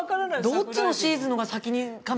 どっちのシーズンの方が先か？